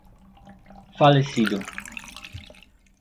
falecido